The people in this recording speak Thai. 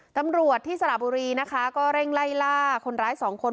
ตำรวจที่สระบุรีนะคะก็เร่งไล่ล่าคนร้ายสองคน